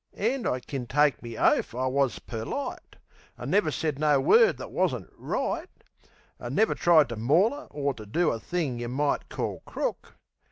An' I kin take me oaf I wus perlite. An' never said no word that wasn't right, An' never tried to maul 'er, or to do A thing yeh might call crook.